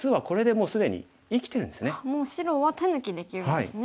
もう白は手抜きできるんですね。